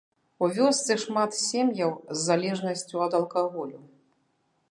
У вёсцы шмат сем'яў з залежнасцю ад алкаголю.